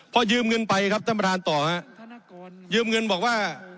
พอยืมเงินไปครับท่านประธานต่อฮะยืมเงินบอกว่า